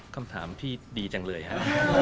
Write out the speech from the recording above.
คำถามที่ดีจังเลยครับ